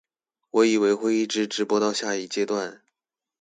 我以為會一直直播到下一階段